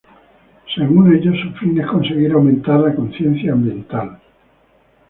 Según ellos, su fin es conseguir aumentar la conciencia ambiental.